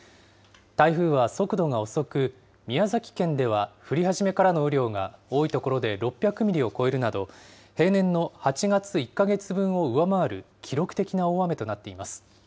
台風は速度が遅く、宮崎県では降り始めからの雨量が多い所で６００ミリを超えるなど、平年の８月１か月分を上回る記録的な大雨となっています。